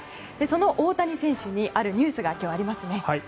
その大谷選手にあるニュースが今日はありますね。